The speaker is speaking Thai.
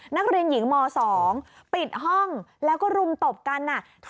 นักเรียนหญิงม๒ปิดห้องแล้วก็รุมตบกัน